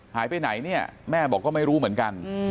หายไปไหนเนี่ยแม่บอกก็ไม่รู้เหมือนกัน